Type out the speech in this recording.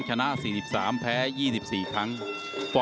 สวัสดีครับ